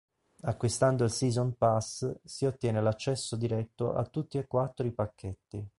Acquistando il Season Pass, si ottiene l'accesso diretto a tutti e quattro i pacchetti.